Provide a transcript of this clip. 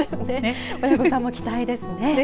親御さんも期待ですね。